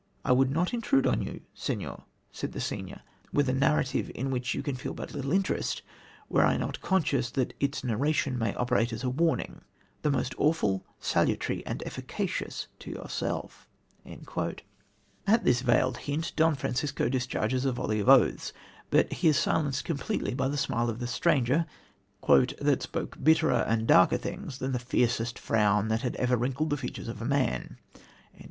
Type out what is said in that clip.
'I would not intrude on you, Senhor,' says the stranger, 'with a narrative in which you can feel but little interest, were I not conscious that its narration may operate as a warning, the most awful, salutary and efficacious to yourself.'" At this veiled hint Don Francisco discharges a volley of oaths, but he is silenced completely by the smile of the stranger "that spoke bitterer and darker things than the fiercest frown that ever wrinkled the features of man."